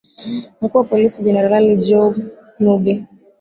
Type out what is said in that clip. mkuu wa polisi generali john nubi